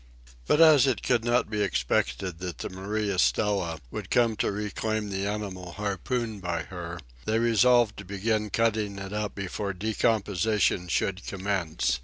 But as it could not be expected that the "Maria Stella" would come to reclaim the animal harpooned by her, they resolved to begin cutting it up before decomposition should commence.